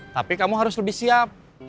tapi kamu harus lebih siap